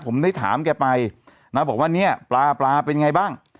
ผมได้ถามแกไปแล้วบอกว่าเนี่ยปลาเป็นยังไงบ้าง